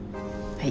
はい。